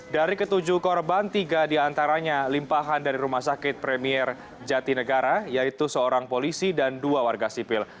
dari ketujuh korban tiga diantaranya limpahan dari rumah sakit premier jatinegara yaitu seorang polisi dan dua warga sipil